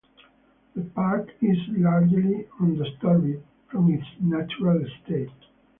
The park is largely undisturbed from its natural state.